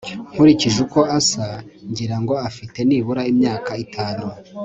nkurikije uko asa, ngira ngo afite nibura imyaka itanu